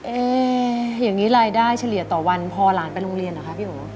อย่างนี้รายได้เฉลี่ยต่อวันพอหลานไปโรงเรียนเหรอคะพี่โอ